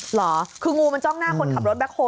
เหรอคืองูมันจ้องหน้าคนขับรถแบ็คโฮล